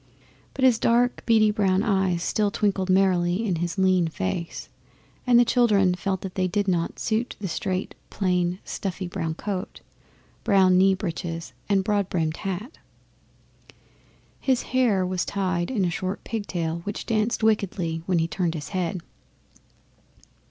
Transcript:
But his dark beady brown eyes still twinkled merrily in his lean face, and the children felt that they did not suit the straight, plain, snuffy brown coat, brown knee breeches, and broad brimmed hat. His hair was tied 'in a short pigtail which danced wickedly when he turned his head.